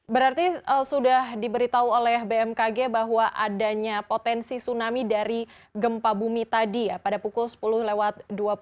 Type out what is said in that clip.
berarti sudah diberitahu oleh bmkg bahwa adanya potensi tsunami dari gempa bumi tadi ya pada pukul sepuluh lewat dua puluh